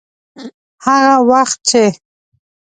هغه وخت چې.